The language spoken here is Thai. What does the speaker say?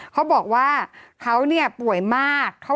เขาบอกว่าเขาเนี่ยป่วยมาก